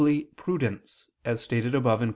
prudence, as stated above (Q.